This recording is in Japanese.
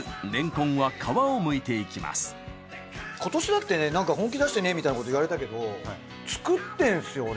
まず今年だってねなんか本気出してみたいなこと言われたけど作ってんすよ俺。